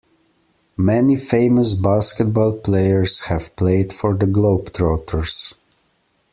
Many famous basketball players have played for the Globetrotters.